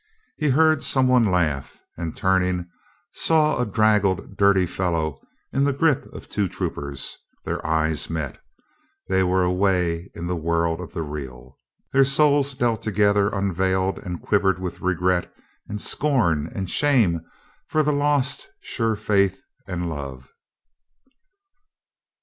He heard some one laugh, and turning, saw a draggled, dirty fel low in the grip of two troopers. Their eyes met. They were away in the world of the real. Their souls dealt together unveiled and quivered with re THE NIGHT ALARM 379 gret and scorn and shame for the lost sure faith and love.